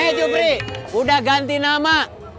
eh jubri udah ganti nama